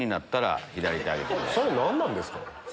それ何なんですか？